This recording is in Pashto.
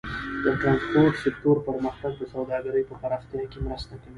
د ټرانسپورټ سکتور پرمختګ د سوداګرۍ په پراختیا کې مرسته کوي.